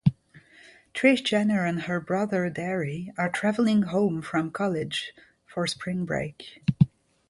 Trish Jenner and her brother Darry are traveling home from college for spring break.